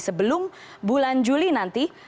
sebelum bulan juli nanti